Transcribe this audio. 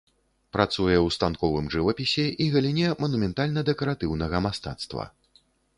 Працуе ў станковым жывапісе і галіне манументальна-дэкаратыўнага мастацтва.